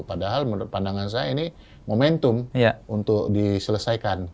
padahal menurut pandangan saya ini momentum untuk diselesaikan